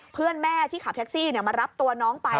เพื่อนแม่ที่ขับแท็กซี่มารับตัวน้องไป